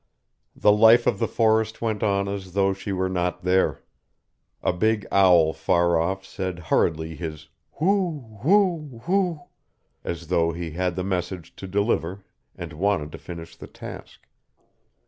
The life of the forest went on as though she were not there. A big owl far off said hurriedly his whoo whoo whoo, as though he had the message to deliver and wanted to finish the task.